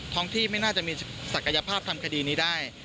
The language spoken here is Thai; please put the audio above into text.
ท้องที่ไม่น่าจะมีศักยภาพทำคดีนี้ได้